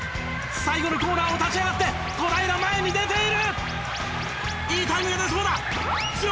最後のコーナーを立ち上がって小平前に出ている。